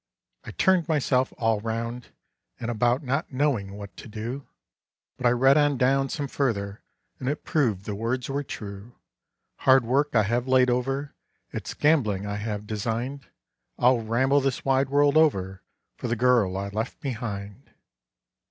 I turned myself all round and about not knowing what to do, But I read on down some further and it proved the words were true. Hard work I have laid over, it's gambling I have designed. I'll ramble this wide world over for the girl I left behind.